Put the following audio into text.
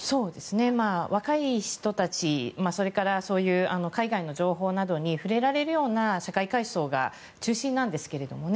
若い人たちそれから海外の情報などに触れられるような社会階層が中心なんですけどね。